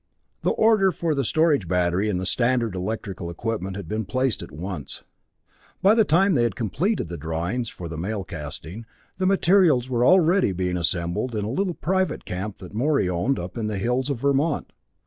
The order for the storage battery and the standard electrical equipment had been placed at once. By the time they had completed the drawings for the mail casting, the materials were already being assembled in a little private camp that Morey owned, up in the hills of Vermont.